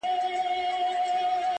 o چي چرگ نه وو، اذان چا کاوه؟